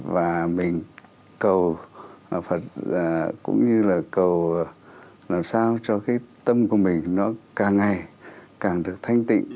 và mình cầu phật cũng như là cầu làm sao cho cái tâm của mình nó càng ngày càng được thanh tịnh